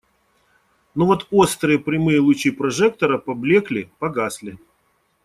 Но вот острые прямые лучи прожектора поблекли, погасли.